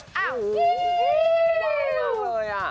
อ้าวว้ายมากเลยอ่ะ